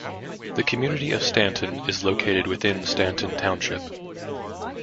The community of Stanton is located within Stanton Township.